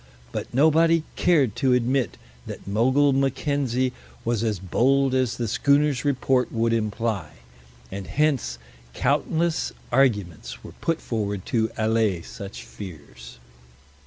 But nobody cared to admit that Mogul Mackenzie was as bold as the schooner's report would imply, and hence countless arguments were put forward to allay such fears.